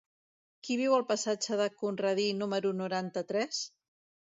Qui viu al passatge de Conradí número noranta-tres?